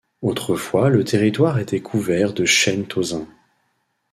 Autrefois le territoire était couvert de chênes tauzins.